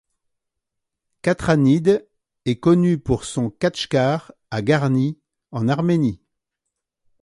Katranide est connue pour son khatchkar à Garni, en Arménie.